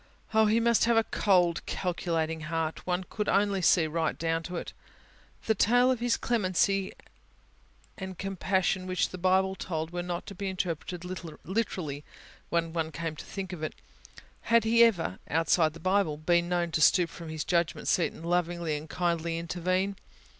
Oh, He must have a cold, calculating heart ... could one only see right down into it. The tale of His clemency and compassion, which the Bible told, was not to be interpreted literally: when one came to think of it, had He ever outside the Bible been known to stoop from His judgment seat, and lovingly and kindly intervene?